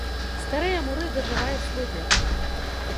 Старыя муры дажываюць свой век.